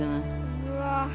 うわ。